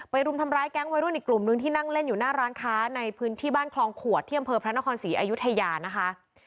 รุมทำร้ายแก๊งวัยรุ่นอีกกลุ่มนึงที่นั่งเล่นอยู่หน้าร้านค้าในพื้นที่บ้านคลองขวดที่อำเภอพระนครศรีอายุทยานะคะ